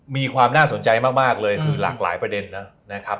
มีความน่าสนใจมากเลยคือหลากหลายประเด็นนะครับ